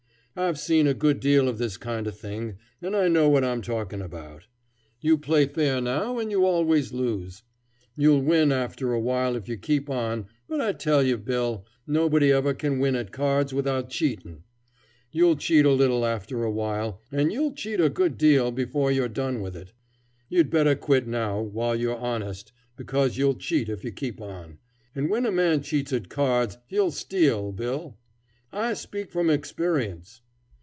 "I've seen a good deal of this kind of thing, and I know what I'm talking about. You play fair now, and you always lose. You'll win after a while if you keep on, but I tell you, Bill, nobody ever can win at cards without cheating. You'll cheat a little after a while, and you'll cheat a good deal before you've done with it. You'd better quit now, while you're honest, because you'll cheat if you keep on, and when a man cheats at cards he'll steal, Bill. _I speak from experience.